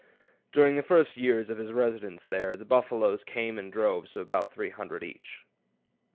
During the first years of his residence there, the buffaloes came in droves of about three hundred each.